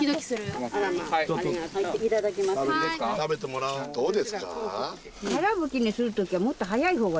食べてもらおう。